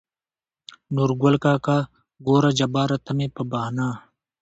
نورګل کاکا: ګوره جباره ته مې په بهانه